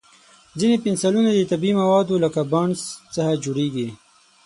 ځینې پنسلونه د طبیعي موادو لکه بانس څخه جوړېږي.